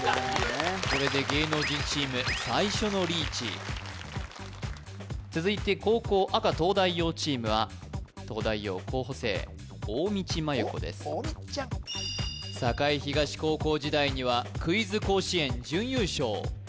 これで芸能人チーム最初のリーチ続いて後攻赤東大王チームは東大王候補生大道麻優子ですおっ大道ちゃん栄東高校時代にはクイズ甲子園準優勝